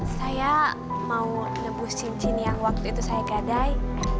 saya mau nebus cincin yang waktu itu saya gadai